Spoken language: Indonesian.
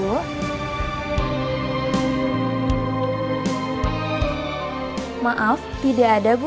sebentar saya cek terlebih dahulu ya bu